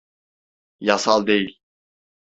Yasal değil.